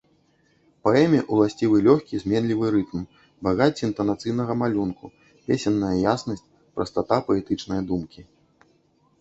Паэме ўласцівы лёгкі, зменлівы рытм, багацце інтанацыйнага малюнку, песенная яснасць, прастата паэтычнае думкі.